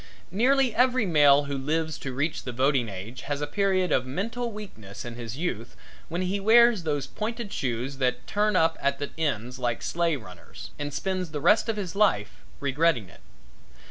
Nearly every male who lives to reach the voting age has a period of mental weakness in his youth when he wears those pointed shoes that turn up at the ends, like sleigh runners; and spends the rest of his life regretting it.